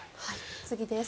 次です。